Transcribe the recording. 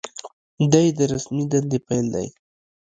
دا یې د رسمي دندې پیل دی.